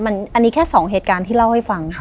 อันนี้แค่๒เหตุการณ์ที่เล่าให้ฟัง